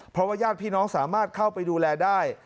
เพราะว่าญาติพี่น้องสามารถเข้าไปดูแลได้